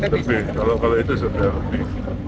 lebih lebih kalau itu sudah lebih